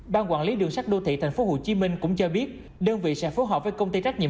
ban quản lý đường sắt đô thị tp hcm cũng cho biết đơn vị sẽ phối hợp với công ty trách nhiệm